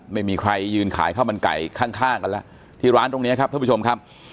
ไม่มีใครยืนขายข้าวมันไก่ข้างกันแล้วที่ร้านตรงนี้ครับท่านผู้ชมครับ